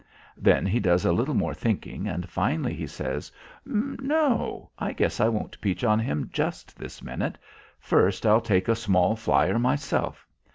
Then he does a little more thinking, and finally he says, 'No; I guess I won't peach on him just this minute. First, I'll take a small flyer myself.'